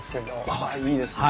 あいいですね。